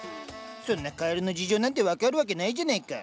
そんなカエルの事情なんて分かるわけないじゃないか。